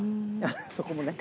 そこもね。